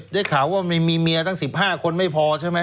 ได้ข่าวว่ามีเมียตั้ง๑๕คนไม่พอใช่ไหม